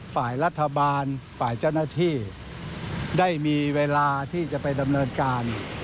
ฝ่ายรัฐบาลฝ่ายเจ้าหน้าที่ได้มีเวลาที่จะไปดำเนินการ